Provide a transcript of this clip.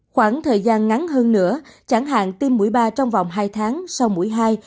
khoảng thời gian ngắn hơn nữa chẳng hạn tiêm mũi ba trong vòng hai tháng sau mũi hai